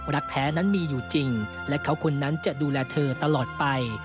รักแท้นั้นมีอยู่จริงและเขาคนนั้นจะดูแลเธอตลอดไป